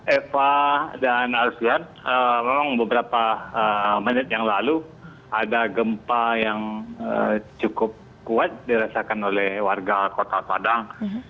eva dan alzwar memang beberapa menit yang lalu ada gempa yang cukup kuat dirasakan oleh warga kota padang